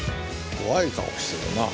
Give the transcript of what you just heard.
怖い顔してるな。